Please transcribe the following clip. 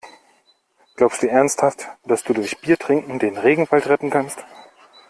Glaubst du ernsthaft, dass du durch Biertrinken den Regenwald retten kannst?